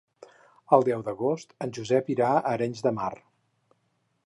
El deu d'agost en Josep irà a Arenys de Mar.